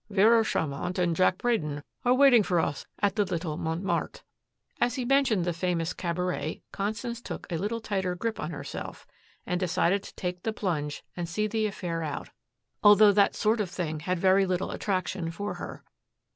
"Vera Charmant and Jack Braden are waiting for us at the Little Montmartre." As he mentioned the famous cabaret, Constance took a little tighter grip on herself and decided to take the plunge and see the affair out, although that sort of thing had very little attraction for her.